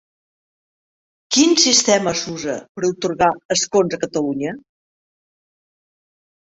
Quin sistema s'usa per atorgar escons a Catalunya?